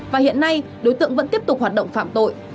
và hiện nay đối tượng vẫn tiếp tục hoạt động phạm tội